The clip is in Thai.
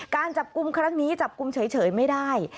การจับกลุ่มครั้งนี้จับกลุ่มเฉยไม่ได้